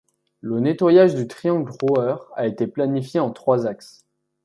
Le nettoyage du triangle Roer a été planifiée en trois axes.